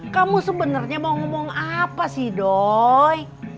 kamu sebenarnya mau ngomong apa sih doy